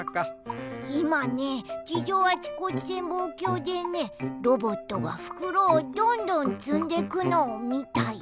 いまね地上あちこち潜望鏡でねロボットがふくろをどんどんつんでくのをみたよ。